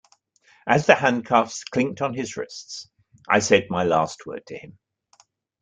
As the handcuffs clinked on his wrists I said my last word to him.